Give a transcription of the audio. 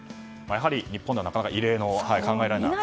やはり日本では異例の考えられない。